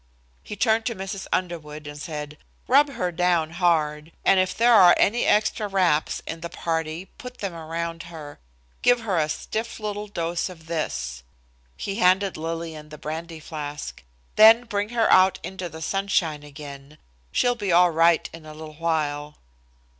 He turned to Mrs. Underwood and said: "Rub her down hard, and if there are any extra wraps in the party put them around her. Give her a stiff little dose of this." He handed Lillian the brandy flask. "Then bring her out into the sunshine again. She'll be all right in a little while."